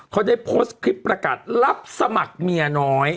เขาได้โพสต์คลิปประกาศรับสมัครเมียน้อย